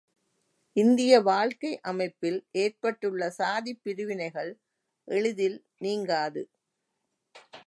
இந்திய வாழ்க்கையமைப்பில் ஏற்பட்டுள்ள சாதிப் பிரிவினைகள் எளிதில் நீங்காது.